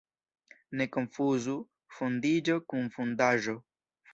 Ne konfuzu fondiĝo kun fondaĵo.